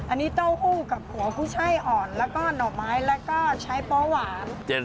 อันนี้ต้าโฮกกับขัวหุ้ชัยอนและก็หน่อไม้ลาการและก็ไช้ปลอดภัยหวาน